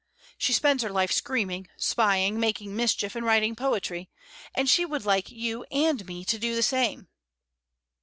"She spends her life screaming, spying, making mischief, and writing poetry, and she would like you and me to do the same."